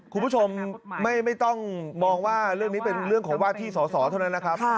คุณผู้ชมไม่ต้องมองว่าเรื่องนี้เป็นเรื่องของว่าที่สอสอเท่านั้นนะครับ